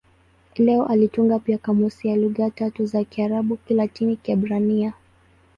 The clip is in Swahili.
Leo alitunga pia kamusi ya lugha tatu za Kiarabu-Kilatini-Kiebrania.